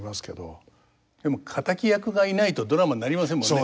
でも敵役がいないとドラマになりませんもんね。